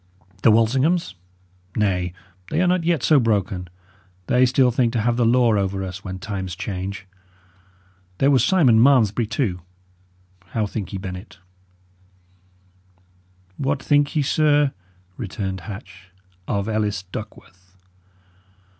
The Walsinghams? Nay, they are not yet so broken; they still think to have the law over us, when times change. There was Simon Malmesbury, too. How think ye, Bennet?" "What think ye, sir," returned Hatch, "of Ellis Duckworth?"